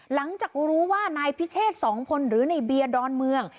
หลังจากรู้ว่านายพิเชษสองพลหรือในเบียร์ดอนเมือง